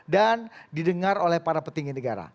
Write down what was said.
dan didengar oleh para petinggi negara